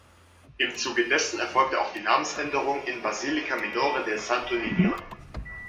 Im Zuge dessen erfolgte auch die Namensänderung in "Basilica minore del Santo Niño".